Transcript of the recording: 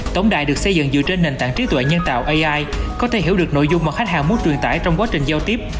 tổng đài được xây dựng dựa trên nền tảng trí tuệ nhân tạo ai có thể hiểu được nội dung mà khách hàng muốn truyền tải trong quá trình giao tiếp